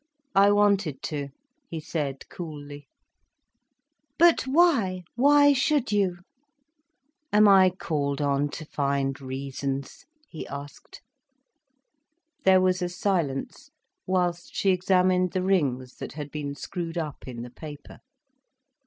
"I wanted to," he said, coolly. "But why? Why should you?" "Am I called on to find reasons?" he asked. There was a silence, whilst she examined the rings that had been screwed up in the paper.